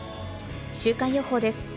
週間予報です。